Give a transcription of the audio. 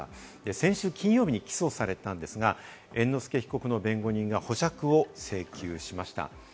先週金曜日に起訴されたんですが、猿之助被告の弁護人が保釈を請求しました。